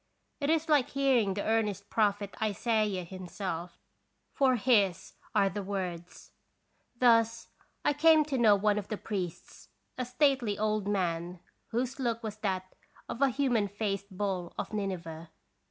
It is like hearing the earnest prophet Isaiah himself, for his are the words. Thus I came to know one of the priests, a stately old man whose look was that of a human faced bull of Nineveh.